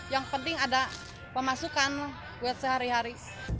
yang penting ada pemasukan buat sehari hari